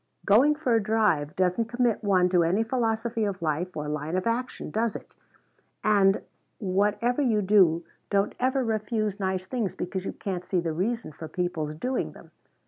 Going for a drive doesn't commit one to any philosophy of life, or line of action, does it? And whatever you do, don't ever refuse nice things because you can't see the reason for people's doing them.